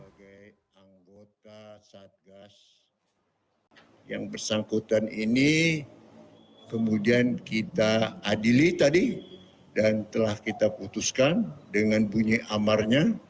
sebagai anggota satgas yang bersangkutan ini kemudian kita adili tadi dan telah kita putuskan dengan bunyi amarnya